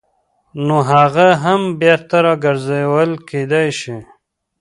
نو هغه هم بېرته راګرځول کېدای شي.